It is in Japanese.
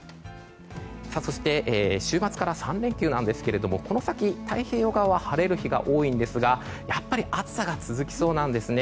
そして、週末から３連休なんですがこの先、太平洋側は晴れる日が多いんですがやっぱり暑さが続きそうなんですね。